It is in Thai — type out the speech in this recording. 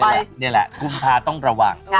เออนี่แหละคุณภาพต้องระวัง